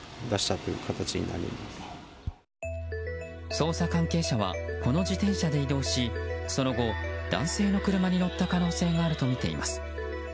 捜査関係者はこの自転車で移動しその後、男性の車に乗った可能性があるとみています。